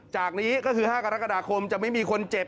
จากนี้ก็คือ๕กรกฎาคมจะไม่มีคนเจ็บ